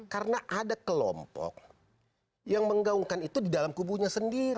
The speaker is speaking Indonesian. karena ada kelompok yang menggaungkan itu di dalam kubunya sendiri